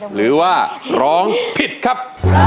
หรือว่าร้องผิดครับ